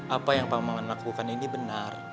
apa yang pak maman lakukan ini benar